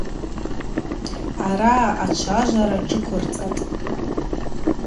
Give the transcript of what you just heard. Араъа ачважвара джвыквырцӏатӏ.